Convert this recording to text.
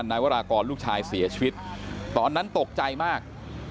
นายวรากรลูกชายเสียชีวิตตอนนั้นตกใจมาก